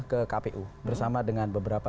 ke kpu bersama dengan beberapa